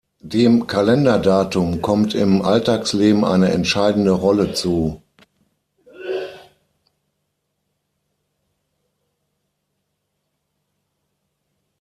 Dem Kalenderdatum kommt im Alltagsleben eine entscheidende Rolle zu.